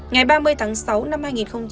ngày ba mươi tháng sáu năm hai nghìn một mươi sáu